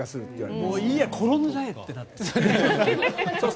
もういいや転んじゃえってなる。